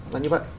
là như vậy